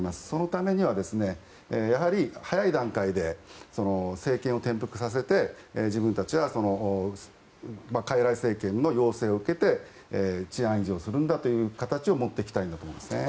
そのためには、やはり早い段階で政権を転覆させて自分たちはかいらい政権の要請を受けて治安維持をするんだという形に持っていきたいんだと思います。